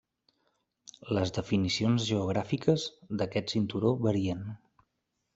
Les definicions geogràfiques d'aquest cinturó varien.